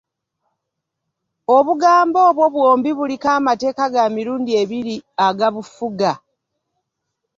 Obugambo obwo bwombi buliko amateeka ga mirundi ebiri agabufuga.